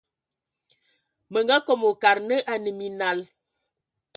Mə nga kom wa kad nə a nə minal.